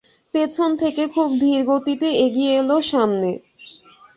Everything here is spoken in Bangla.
পেছন থেকে খুব ধীর গতিতে এগিয়ে এল সামনে।